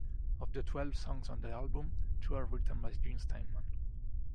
Of the twelve songs on the album, two are written by Jim Steinman.